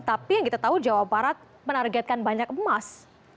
tapi yang kita tahu jawa barat menargetkan banyak emas